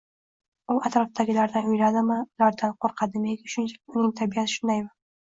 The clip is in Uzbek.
u atrofdagilardan uyaladimi, ulardan qo‘rqadimi yoki shunchaki uning tabiati shundaymi?